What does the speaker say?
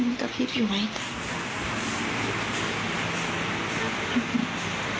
แทบมันเบียบแบบนั้น